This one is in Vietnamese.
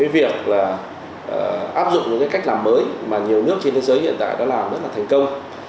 việc áp dụng những cách làm mới mà nhiều nước trên thế giới hiện tại đã làm rất là thành công